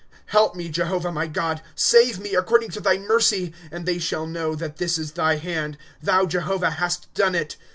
^^ Help me, Jehovah, my God, Save me, according to thy mercy. " And they shall know that this is thy hand ; Thou, Jehovah, hast done it.